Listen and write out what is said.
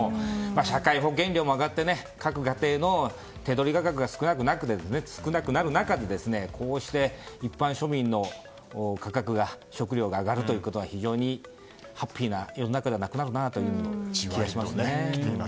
社会保険料も上がって各家庭の手取り価格が少なくなる中こうして、一般庶民の食糧の価格が上がるということは非常にハッピーな世の中なのかという気がします。